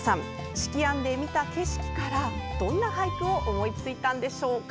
子規庵で見た景色からどんな俳句を思いついたんでしょうか。